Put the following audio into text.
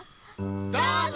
どうぞ！